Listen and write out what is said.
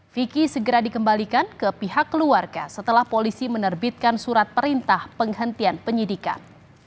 vicky segera dikembalikan ke pihak keluarga setelah polisi menerbitkan surat perintah penghentian penyidikan